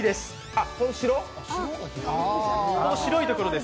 この白いところです。